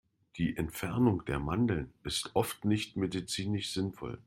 Die Entfernung der Mandeln ist oft nicht medizinisch sinnvoll.